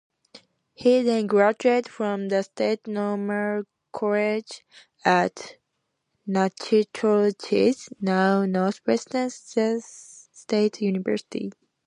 He then graduated from the State Normal College at Natchitoches (now Northwestern State University).